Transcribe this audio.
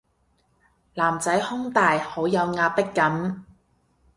男仔胸大好有壓迫感